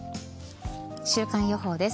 週間予報です。